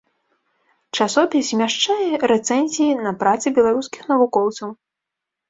Часопіс змяшчае рэцэнзіі на працы беларускіх навукоўцаў.